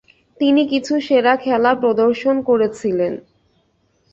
তিনি কিছু সেরা খেলা প্রদর্শন করেছিলেন।